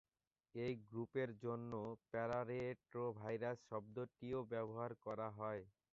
এই গ্রুপের জন্য "প্যারারেট্রোভাইরাস" শব্দটিও ব্যবহার করা হয়।